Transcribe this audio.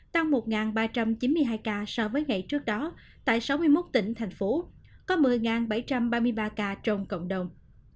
tăng một ba trăm chín mươi hai ca so với ngày trước đó tại sáu mươi một tỉnh thành phố có một mươi bảy trăm ba mươi ba ca trong cộng đồng